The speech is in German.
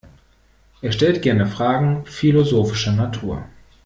Er stellt gerne Fragen philosophischer Natur.